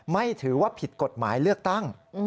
ไม่ถือว่าผิดกฎหมายเลือกตั้ง